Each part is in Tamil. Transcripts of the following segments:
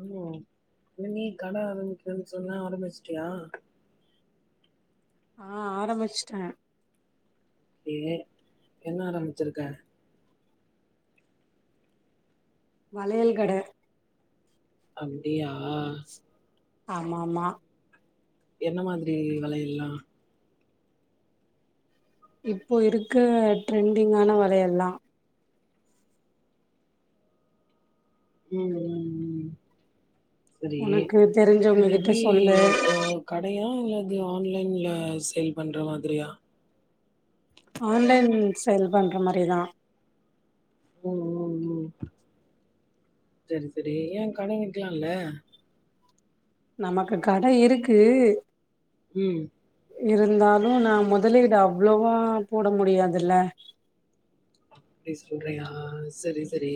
ம் இ நீ கடை ஆரம்பிக்கணோன்னு சொன்ன ஆரம்பிச்சுட்டியா ஆஹ் ஆரம்பிச்ட்டே தே என்ன ஆரம்பிச்ருக்கே வளையல்கட அப்டியா ஆமா ஆமா என்ன மாதிரி வளையல்லா இப்போ இருக்க ட்ரெண்டிங்கான வளையல்லா உம் உம் உம் செரி உனக்கு தெரிஞ்சவங்க இது கிட்ட எப்டி சொல்லு ஓ கடையா இல்ல அது ஆன்லைன்ல சேல் பண்ற மாதிரியா ஆன்லைன் சேல் பண்ற மாதிரி தா உம் உம் உம் செரி செரி ஏ கட வெக்கலால நமக்கு கட இருக்கு உம் இருந்தாலு நா மொதலீடு அவளோவா போட முடியாதுல அப்டி சொல்றியா செரி செரி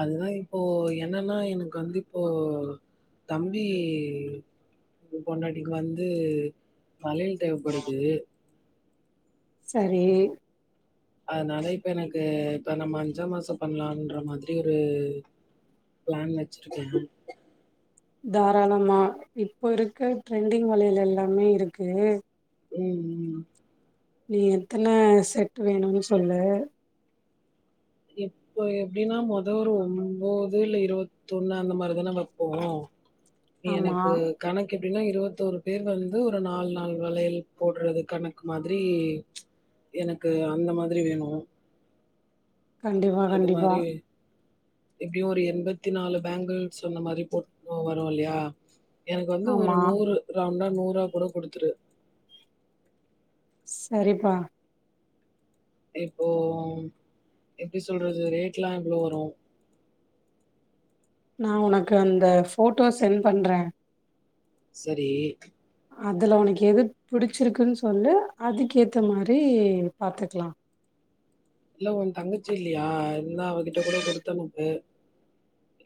அதுதா இப்போ என்னன்னா எனக்கு வந்து இப்போ தம்பி பொண்டாட்டிக்கு வந்து வளையல் தேவப்படுது சரி அதனால இப்ப எனக்கு இப்ப நம்ப அஞ்சாம் மாசோ பண்ணலாம்ன்ற மாதிரி ஒரு பிளான் வெச்சுருக்கே தாராளமா இப்போ இருக்க ட்ரெண்டிங் வளையல் எல்லாமே இருக்கு ம் ம் நீ எத்தன செட் வேணும்னு சொல்லு எப்ப எப்டீன்னா மொத ஒரு ஒம்போது இல்ல இருவத்தொண்ணு அந்த மாரிதானே வெப்போ ஆமா எனக்கு கணக்கு எப்டின்னா இருவத்தோரு பேர் வந்து ஒரு நாலு நால் வளையல் போடுறது கணக்கு மாதிரி எனக்கு அந்த மாதிரி வேணு கண்டிப்பா அது கண்டிப்பா மாரி எப்டியு ஒரு எண்பத்தி நாலு பேங்கிள்ஸ் சொன்ன மாதிரி போட்டு போக வரும் இல்லையா எனக்கு வந்து ஒரு ஆமா நூறு ரவுண்டா நூறா கூட குடுத்துரு செரிப்பா இப்போ எப்டி சொல்றது ரேட்லா எவ்ளோ வரும் நா உனக்கு அந்த ஃபோட்டோஸ் சென்ட் பண்றே செரி அதுல உனக்கு எது புடிச்சிருக்குன்னு சொல்லு அதுக்கேத்த மாரி பாத்துக்லா இல்ல உ தங்கச்சு இல்லயா இருந்தா அவகிட்ட கூட குடுத்தனுப்பு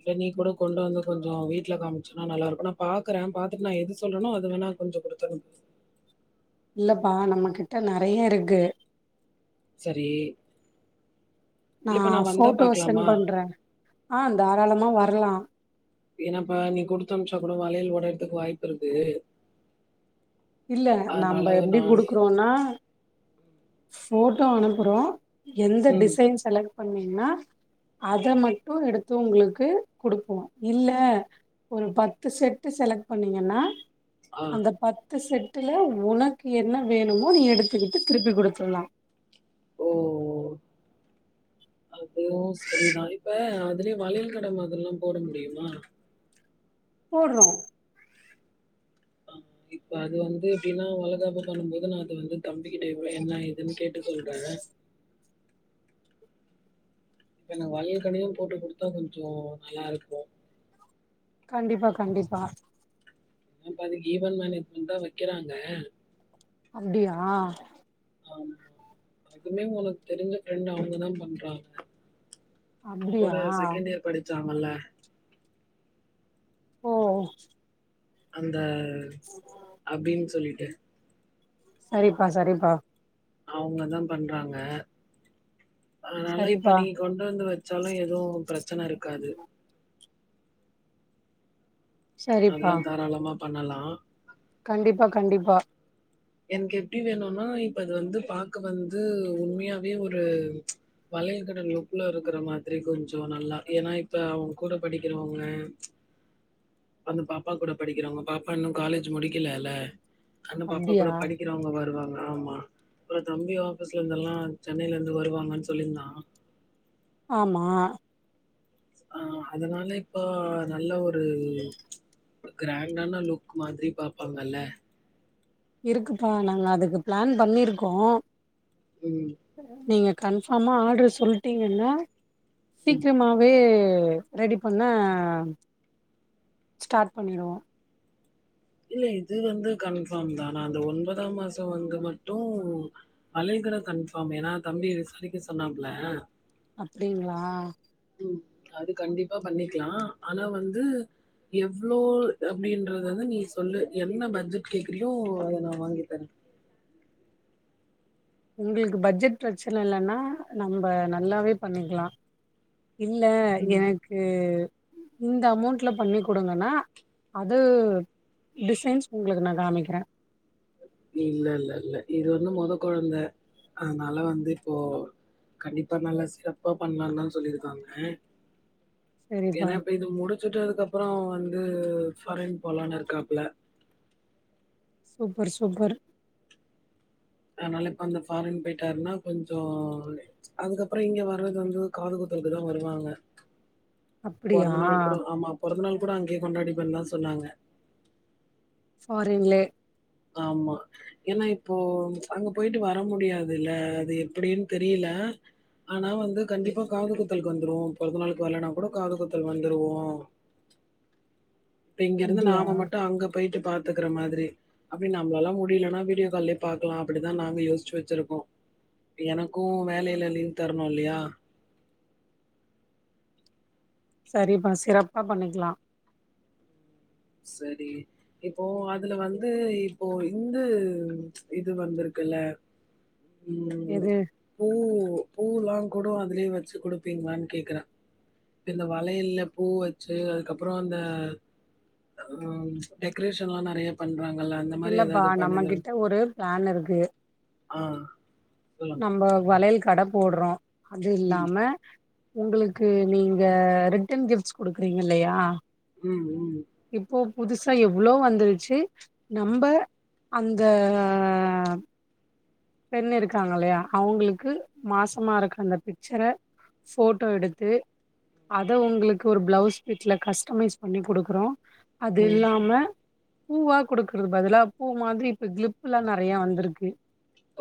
இல்ல நீ கூட கொண்டு வந்து கொஞ்சோ வீட்ல காமிச்சன்னா நல்லா இருக்கும் நா பாக்கறே பாத்துட்டு நா எது சொல்றேனோ அது வேணா கொஞ்சோ குடுத்தனுப்பு இல்லப்பா நம்ம கிட்ட நெறையா இருக்குது செரி நா ஃபோட்டோ சென்ட் பாக்கலாமா பண்றே ஆ தாராளமா வரலா வேணாம்ப்பா நீ குடுத்து அனுப்புச்சா கூட வளையல் ஒடயறதுக்கு கூட வாய்ப்பு இருக்கு இல்ல அதனால நம்ப எப்டி நானு குடுக்குறோனா போஃட்டோ அனுப்புறோ எந்த ம் டிசைன் செலக்ட் பண்ணீங்ன்னா அத மட்டு எடுத்து உங்களுக்கு குடுப்போ இல்ல ஒரு பத்து செட்டு செலக்ட் பண்ணீங்கன்னா ஆ அந்த பத்து செட்டுல உனக்கு என்ன வேணுமோ நீ எடுத்துக்கிட்டு திருப்பி குடுத்துரலா ஓ அதுவு சரிதா இப்ப அதுலயே வளையல் கட மாதிரிலாம் போட முடியுமா போடுறோ இப்ப அது வந்து எப்டின்னா வளகாப்பு பண்ணும் போது நா அத வந்து தம்பிக்கிட்ட எவ்ளோ என்னா எதுன்னு கேட்டு சொல்றே இப்ப எனக்கு வளையல் கடையு போட்டு குடுத்தா கொஞ்சோ நல்லா இருக்கு கண்டிப்பா கண்டிப்பா இப்ப அந்த ஈவென்ட் மேனேஜ்மெண்ட் தா வைக்கிறாங்க அப்டியா ஆமா அதுமே உனக்கு தெரிஞ்ச ஃப்ரெண்ட் அவுங்தா பண்றாங்க உண் அப்டியா கூட செகண்ட் இயர் படிச்சாங்கல்ல ஓ அந்த ஆமா அப்டின்னு சொல்லிட்டு சரிப்பா சரிப்பா அவுங்கதா பண்றாங்க அதனால இப்ப சரிப்பா நீங்க கொண்டு வந்து வச்சாலு எதுவு பிரச்சன இருக்காது சரிப்பா அதுல்லா தாராளமா பண்ணலா கண்டிப்பா கண்டிப்பா எனக்கு எப்டி வேணும்னா இப்ப அது வந்து பாக்க வந்து உண்மையாவே ஒரு பழய‌ கட நூப்ல இருக்கிற மாதிரி கொஞ்சோ நல்லா ஏன்னா இப்ப அவுங் கூட படிக்கிறவங்க அந்த பாப்பா கூட படிக்கிறவங்க பாப்பா இன்னு காலேஜ் முடிக்கலல்ல அப்டியா க்கறவங்க வருவாங்க ஆமா அப்புறோ தம்பி ஆபீஸ்ல இருந்துல்லா சென்னையில இருந்து வருவாங்கன்னு சொல்லியிருந்தா ஆமா ஆ அதனால இப்போ நல்ல ஒரு ம்ச் கிராண்டான லுக் மாதிரி பாப்பாங்கல்ல இருக்குப்பா நாங்க அதுக்கு பிளான் பண்ணிருக்கோ ம் நீங்கள் கன்ஃபார்மா ஆர்ட்ரு சொல்லிட்டிங்கன்னா சீக்கிரமாகவே ரெடி பண்ணா ஸ்டார்ட் பண்ணிடுவோ இல்ல இது வந்து கன்ஃபார்ம் தா நா அந்த ஒன்பதாம் மாசம் வந்து மட்டு மளிகை கடை கன்ஃபார்ம் ஏன்னா தம்பி விசாரிக்க சொன்னாப்பல அப்டிங்களா ம் அது கண்டிப்பா பண்ணிக்கலா ஆனா வந்து எவ்வளோ அப்டின்றத வந்து நீ சொல்லு என்ன பட்ஜெட் கேக்குறையோ அத நா வாங்கி தரேன் உங்களுக்கு பட்ஜெட் பிரச்சன இல்லைன்னா நம்ம நல்லாவே பண்ணிக்கலா இல்ல ம். எனக்கு இந்த அமௌண்ட்ல பண்ணி கொடுங்கன்னா அது டிசைன்ஸ் உங்களுக்கு நா காமிக்கிறேன் இல்ல இல்ல இல்ல இது வந்து மெத குழந்தை அதனால வந்து இப்போ கண்டிப்பா நல்லா சிறப்பா பண்ணலான்னு தா சொல்லியிருக்காங்க சரிப்பா ஏன்னா இப்ப இது முடிச்சுட்டதுக்கு அதுக்கு அப்புறோ வந்து ஃபாரின் போலானு இருக்காப்புல சூப்பர் சூப்பர் அதனால இப்ப அந்த ஃபாரின் போயிட்டாருன்னா கொஞ்சோ அதுக்கப்புறோ இங்க வரறது வந்து காது குத்துறதுக்குதா வருவாங்க அப்படியா பொறந்த நாள் கூட ஆமா பொறந்த நாள் கூட அங்கேயே கொண்டாடிபேண்ணு தா சொன்னாங்க ஃபாரின்லே ஆமா ஏன்னா இப்போ அங்க போயிட்டு வர முடியாதுல்ல அது எப்டினு தெரியல ஆனா வந்து கண்டிப்பா காது குத்தலுக்கு வந்துடுவோ பிறந்த நாளுக்கு வரலைன்னா கூட காது குத்தல்க்கு வந்துடுவோ இப்ப இங்கிருந்து அப்டியா நாம மட்டு அங்க போயிட்டு பாத் துக்குற மாதிரி அப்டி நம்மளாலா முடியலைன்னா வீடியோ கால்லயே பாக்கலா அப்டிதா நாங்க யோசிச்சு வச்சிருக்கோ எனக்கு வேலையில லீவ் தரணு இல்லையா செரிப்பா சிறப்பா பண்ணிக்கலா செரி இப்போ அதுல வந்து இப்போ இந்து இது வந்திருக்குல்ல ம் எது பூ பூலா கூட அதுலயே வச்சு குடுப்பீங்களான்னு கேக்குறா இந்த வளையல்ல பூ வச்சு அதுக்கப்புறோ அந்த ம் டெக்ரேஷன்லா நெறைய பண்றாங்கல்ல அந்த மாரி இல்லப்பா ஏதாவது பண்ணி நம்ம தர கிட்ட ஒரு பிளான் இருக்கு ஆ சொல்லுங் நம்ப வளையல் கட போடுறோ அது ம். இல்லாம உங்களுக்கு நீங்க ரிட்டன் கிஃப்ட்ஸ் குடுக்குறீங்க இல்லையா ம் ம் இப்போ புதுசா எவ்ளோ வந்துருச்சு நம்ப அங்க பெண் இரு க்காங்கல்லையா அவுங்களுக்கு மாசமா இருக்க அந்த பிச்சர ஃபோட்டோ எடுத்து அத உங்களுக்கு ஒரு ப்ளவுஸ் பிட்ல கஸ்டமைஸ் பண்ணி குடுக்றோ அது ம். இல்லாம பூவா குடுக்குறதுக் பதிலா பூ மாதிரி இப்ப கிளிப்லா நெறையா வந்திருக்கு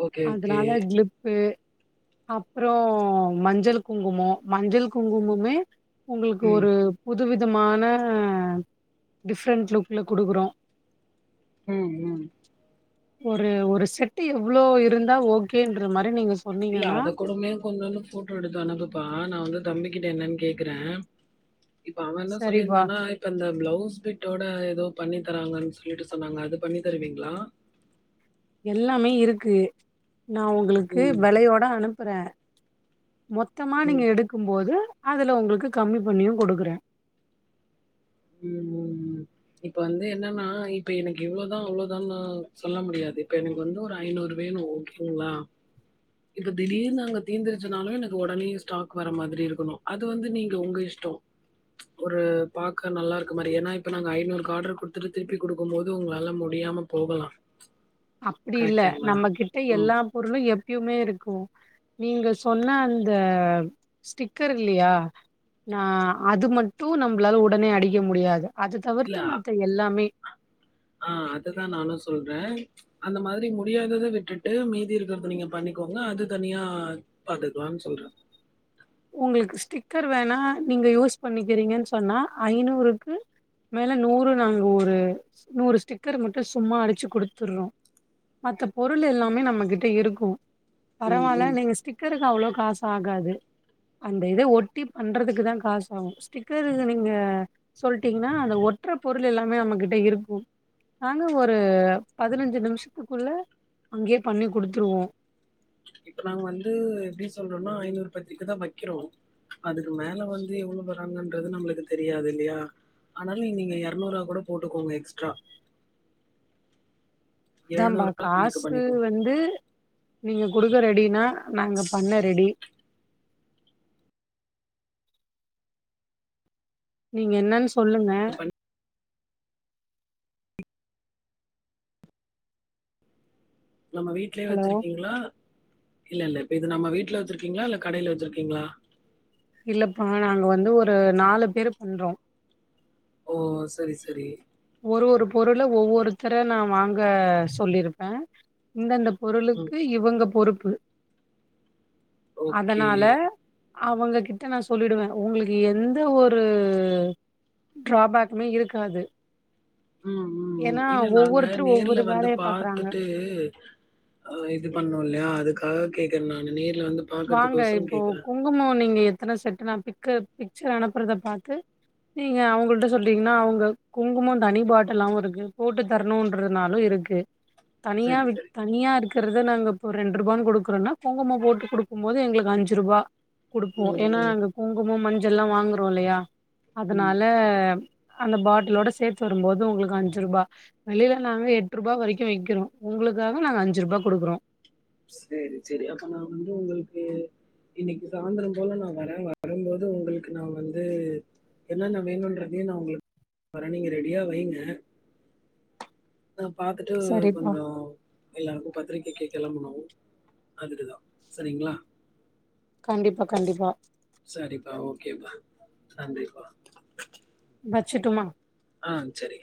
ஓக்கே அதனால க்ளிப்பு அப்றோ மஞ்சள் குங்குமோ மஞ்சள் குங்குமமே உங்ளுக்கு ம். ஒரு புதுவிதமான டிஃப்ரெண்ட் லுக்ல குடுக்றோ ம் ம் ஒரு ஒரு செட்டு எவ்ளோ இருந்தா ஓக்கேன்ற மாரி நீங்க இல்ல சொன்னீங்கன்னா அத கூடமே கொஞ்சோண்டு ஃபோட்டோ எடுத்து அனுப்புபா நா வந்து தம்பிக்கிட்ட என்னன் கேக்றே இப்ப அவே என்ன சரிப்பா சொல்லிருந்தானா இப்ப இந்த பிளவுஸ் பிட்டோட எதோ பண்ணி தராங்கன் சொல்லிட்டு சொன்னாங்க அது பண்ணி தருவீங்ளா எல்லாமே இருக்கு நா உங்களுக்கு ம், வெலையோட அனுப்புறே மொத்தமா ம், நீங்க எடுக்கும் போது அதுல உங்களுக்கு கம்மி பண்ணியு குடுக்குறே ம் ம் ம் இப்ப வந்து என்னன்னா இப்ப எனக்கு இவ்ளோதா அவ்ளோதான்னா சொல்ல முடியாது இப்ப எனக்கு வந்து ஒரு ஐநூறு வேணு ஓக்கேங்ளா இப்ப திடீர்னு அங்க தீந்திருச்சினாலு எனக்கு ஒடனே ஸ்டாக் வர மாதிரி இருக்கணு அது வந்து நீங்க ஒங்க இஷ் டோ ஒரு பா க்க நல்லாருக்க மாரி ஏன்னா இப்ப நாங்க ஐநூறுக்கு ஆர்ட்ருக்கு குடுத்துட்டு திருப்பி குடுக்கும் போது உங்களால முடியாம போகலா அப்டி இல்ல நம்மகிட்ட ம். எல்லா பொருளு எப்யுமே இருக்கு நீங்க சொன்ன அந்த ஸ்டிக்கர் இல்லியா நா அது மட்டு நம்பளால உடனே அடிக்க முடியாது அத இல்ல, தவிர்த்து மத்த எல்லாமே ஆ அதுதா நானு சொல்றே அந்த மாதிரி முடியாதத விட்டுட்டு மீதி இருக்கறத நீங்க பண்ணிக்கோங்க அது தனியா பாத்துக்கலான் சொல்றே உங்ளுக்கு ஸ்டிக்கர் வேணா நீங்க யூஸ் பண்ணிக்கிறீங்கன் சொன்னா ஐநூறுக்கு மேல நூறு நாங்க ஒரு நூறு ஸ்டிக்கர் மட்டு சும்மா அடிச்சு குடுத்துர்றோ மத்த பொருள் எல்லாமே நம்மகிட்ட இருக்கு ம், பரவால்ல ம். நீங்க ஸ்டிக்கருக்கு அவ்ளோ காசு ஆகாது அந்த இது ஒட்டி பண்றதுக்கு தா காசு ஆகு ஸ்டிக்கருக் நீங்க சொல்ட்டீங்னா அந்த ஒட்ற பொருள் எல்லாமே நம்மகிட்ட இருக்கு நாங்க ஒரு பதினஞ்சு நிமிஷத்துக்குள்ள அங்கயே பண்ணி குடுத்துருவோ இப்ப நாங்க வந்து எப்டி சொல்றோன்னா ஐநூறு பத்ரிக்க தா வக்கிறோ அதுக்கு மேல வந்து எவ்ளோ வ ருவாங்கன்றது நம்ளுக்கு தெரியாது இல்லையா ஆனாலு நீங்க எரநூறா கூட போட்டுக்கோங்க எக்ஸ்ட்ரா அதாம்பா கணக்கு காசு பண்ணிக்கோங்க. வந்து நீங்க குடுக்க ரெடினா நாங்க பண்ண ரெடி நீங்க என்னன் சொல்லுங்க இப்ப பண்ணி- நம்ம வீட்லயே ஹலோ வச்சிருக்கீங்ளா இல்லல்ல இப்ப இது நம்ம வீட்ல வச்சிருக்கீங்ளா இல்ல கடைல வச்சிருக்கீங்ளா இல்லப்பா நாங்க வந்து ஒரு நாலு பேரு பண்றோ ஓ செரி செரி ஒரு ஒரு பொருள ஒவ்வொருத்தர நா வாங்க சொல்லிருப்பே இந்தந்த ம். பொருளுக்கு இவங்க பொறுப்பு ஓகே. அதனால அவங்க கிட்ட நா சொல்லிடுவே உங்களுக்கு எந்த ஒரு டிரா பேக்குமே இருக்காது ம் ம் ம் ஏன்னா இல்ல நாங்க ஒவ்வொருத்தரு நேர்ல ஒவ்வொரு வந்து வேலைய பாக்குறாங்க பாத்துட்டு ஆ இது பண்ணோ இல்லையா அதுக்காக கேக்கற நானு நேர்ல வந்து பாக்கறதுக் கொசரோ கேக்கற உங்கமாவ நீங்க எத்தன செட் நா பிக்கு பிக்சர் அனுப்புறத பாத்து நீங்க அவங்கள்ட்ட சொல்றீங்னா அவுங்க குங்குமம் தனி பாட்டலாவு இருக்கு போட்டு தரனுன்றதுனாலு இருக் தனியா சரி வி சரி தனியா இருக்கறத நாங்க இப்ப ரெண்டு ரூபானு குடுக்கறனா குங்கும போட்டு குடுக் கு போது எங்களுக்கு அஞ்சு ரூபா குடுப்போ ம் ஏனா ம் நாங்க குங்குமம் மஞ்சள் எல்லா வாங்கறோ இல்லையா ம் அதனால அந்த பாட்டிலோட சேத்து வருபோது உங்களுக்கு அஞ்சு ரூபா வெளியில நாங்க எட்டு ரூபா வரைக்கு வைக்கிறோ உங்களுக்காக நாங்க அஞ்சு ரூபா குடுக்குறோ சேரி சேரி அப்ப நா வந்து உங்களுக்கு இன்னைக்கு சாந்திரோ போல நா வர வரும்போது உங்களுக்கு நா வந்து என்னன்னா வேனுன்றதையு நா உங்களுக்கு வரே நீங்க ரெடியா வைங்க நா பாத்துட்டு சரிப்பா. கொஞ்சோ எல்லாருக்கு பத்திரிகைக்கு கெளம்பனு அதுக்குதா சரிங்ளா கண்டிப்பா கண்டிப்பா சரிப்பா ஓகேப்பா நன்றிப்பா வச்சுர்ட்டுமா ஆ செரி